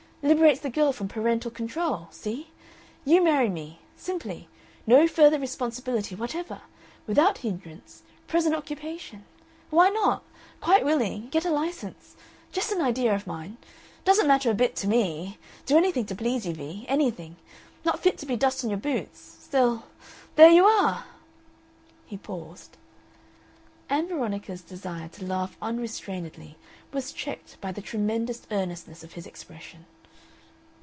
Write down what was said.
Liberates the girl from parental control. See? You marry me. Simply. No further responsibility whatever. Without hindrance present occupation. Why not? Quite willing. Get a license just an idea of mine. Doesn't matter a bit to me. Do anything to please you, Vee. Anything. Not fit to be dust on your boots. Still there you are!" He paused. Ann Veronica's desire to laugh unrestrainedly was checked by the tremendous earnestness of his expression.